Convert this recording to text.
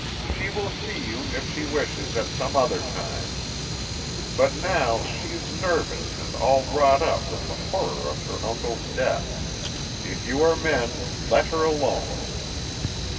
She will see you, if she wishes, at some other time. But now, she is nervous and all wrought up with the horror of her uncle's death. If you are men, let her alone!"